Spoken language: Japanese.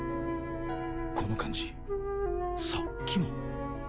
この感じさっきも。